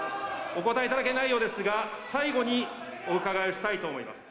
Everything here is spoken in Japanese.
お答えいただけないようですが、最後にお伺いをしたいと思います。